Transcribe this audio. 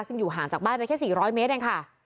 ซึ่งอยู่ห่างจากบ้านไปแค่๔๐๐เมตรเองค่ะ